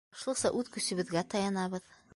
Башлыса үҙ көсөбөҙгә таянабыҙ.